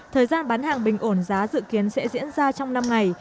thời gian bán hàng bình ổn giá dự kiến sẽ diễn ra trong năm ngày